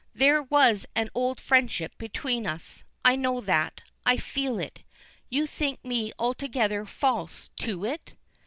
"There was an old friendship between us I know that I feel it. You think me altogether false to it?"